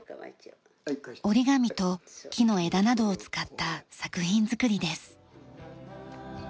折り紙と木の枝などを使った作品作りです。